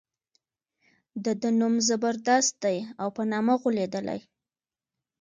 د ده نوم زبردست دی او په نامه غولېدلی.